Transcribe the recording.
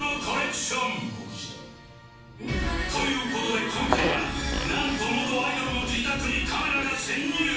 という事で今回はなんと元アイドルの自宅にカメラが潜入！